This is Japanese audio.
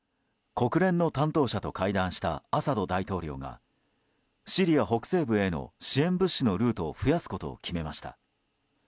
国連の担当者と会談したアサド大統領がシリア北西部への支援物資のルートを増やすことを決めました。